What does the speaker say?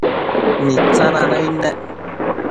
Mitsina nëid nec